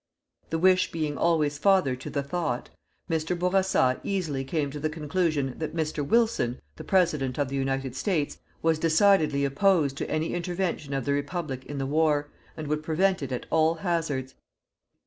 The wish being always father to the thought, Mr. Bourassa easily came to the conclusion that Mr. Wilson, the president of the United States, was decidedly opposed to any intervention of the Republic in the war, and would prevent it at all hazards.